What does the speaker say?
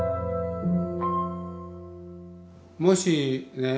もしね？